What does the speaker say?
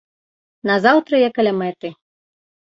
Назаўтра я каля мэты.